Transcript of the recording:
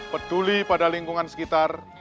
peduli pada lingkungan sekitar